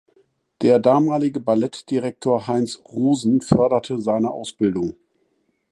Der damalige Ballettdirektor Heinz Rosen förderte seine Ausbildung.